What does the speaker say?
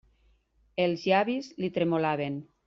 Els llavis li tremolaven.